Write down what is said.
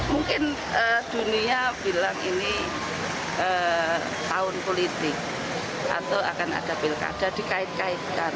mungkin dunia bilang ini tahun politik atau akan ada pilkada dikait kaitkan